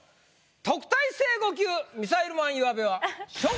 特待生５級ミサイルマン岩部は。